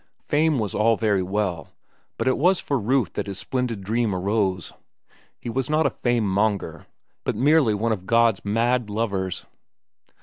Fame was all very well, but it was for Ruth that his splendid dream arose. He was not a fame monger, but merely one of God's mad lovers.